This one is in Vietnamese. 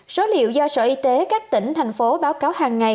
số liệu do sở y tế các tỉnh thành phố báo cáo hàng ngày